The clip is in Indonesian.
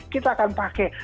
kita akan pakai